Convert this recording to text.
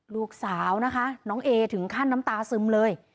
ลูกสาวนะคะน้องเอถึงขั้นน้ำตาซึมเลย